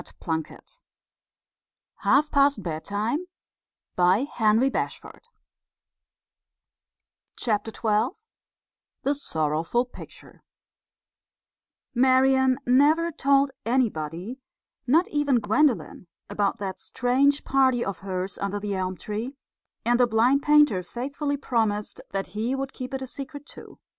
THE SORROWFUL PICTURE [Illustration: Porto Blanco] XII THE SORROWFUL PICTURE Marian never told anybody, not even Gwendolen, about that strange party of hers under the elm tree; and the blind painter faithfully promised that he would keep it a secret too.